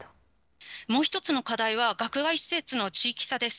もう１つの課題は、学外施設の地域差です。